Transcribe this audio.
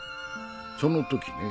その時ね